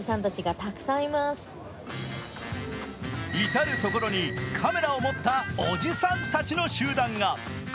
至る所にカメラを持ったおじさんたちの集団が。